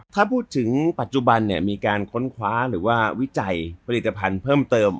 ถ้าพูดถึงปัจจุบันเนี่ยมีการค้นคว้าหรือว่าวิจัยผลิตภัณฑ์เพิ่มเติม